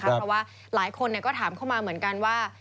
เพราะว่าหลายคนก็ถามเข้ามาเหมือนกันว่า